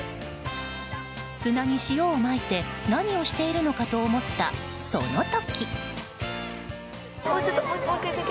砂に塩をまいて何をしているのかと思ったその時。